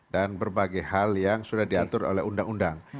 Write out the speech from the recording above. dan berbagai hal yang sudah diatur oleh undang undang